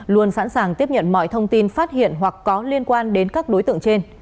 luôn sẵn sàng tiếp nhận mọi thông tin phát hiện hoặc có liên quan đến các đối tượng trên